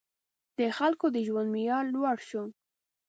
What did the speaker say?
• د خلکو د ژوند معیار لوړ شو.